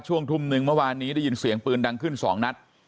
ช่วงทุ่มหนึ่งเมื่อวานนี้ได้ยินเสียงปืนดังขึ้น๒นัด